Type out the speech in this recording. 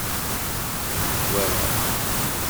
Zwareɣ-k.